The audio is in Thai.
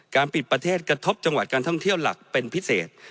ปิดประเทศกระทบจังหวัดการท่องเที่ยวหลักเป็นพิเศษ